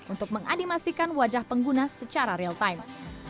untuk menganimasikan wajah pengguna secara real time